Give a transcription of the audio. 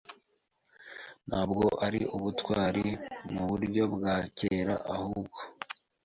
ntabwo ari ubutwari muburyo bwa kera ahubwo